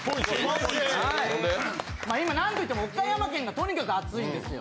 今、なんといっても岡山県がとにかく熱いんですよ。